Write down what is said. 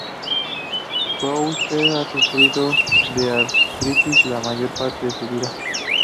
Prowse ha sufrido de artritis la mayor parte de su vida.